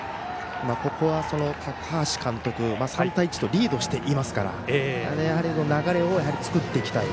ここは高橋監督、３対１とリードしていますからやはり流れを作っていきたい。